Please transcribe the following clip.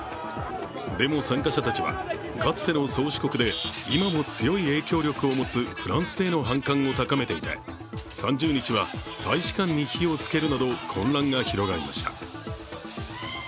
デモ参加者たちはかつての宗主国で今も強い影響力を持つフランスへの反感を高めていて、３０日は大使館に火をつけるなど混乱が広がりました。